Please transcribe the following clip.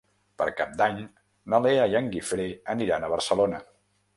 Per Cap d'Any na Lea i en Guifré aniran a Barcelona.